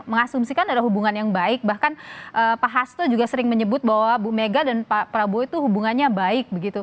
mengasumsikan ada hubungan yang baik bahkan pak hasto juga sering menyebut bahwa bu mega dan pak prabowo itu hubungannya baik begitu